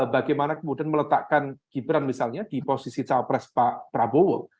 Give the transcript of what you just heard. bagaimana kemudian meletakkan gibran misalnya di posisi cawapres pak prabowo